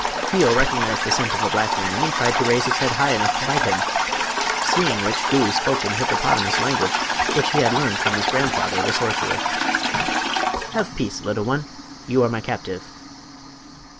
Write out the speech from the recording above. Keo recognized the scent of a black man and tried to raise his head high enough to bite him. Seeing which Gouie spoke in the hippopotamus language, which he had learned from his grandfather, the sorcerer. "Have peace, little one; you are my captive."